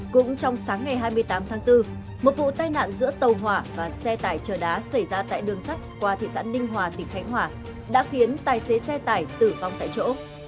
cũng trong sáng ngày hai mươi tám tháng bốn một vụ tai nạn giữa tàu hỏa và xe tải chở đá xảy ra tại đường sắt qua thị xã ninh hòa tỉnh khánh hòa đã khiến tài xế xe tải tử vong tại chỗ